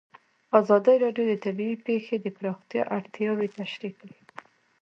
ازادي راډیو د طبیعي پېښې د پراختیا اړتیاوې تشریح کړي.